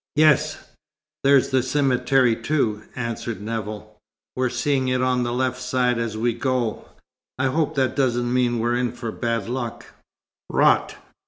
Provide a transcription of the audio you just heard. "Yes, there's the cemetery too," answered Nevill. "We're seeing it on our left side, as we go, I hope that doesn't mean we're in for bad luck." "Rot!"